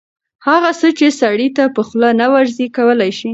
هغه څه چې سړي ته په خوله نه ورځي کولی شي